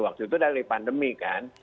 waktu itu dari pandemi kan